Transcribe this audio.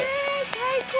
最高！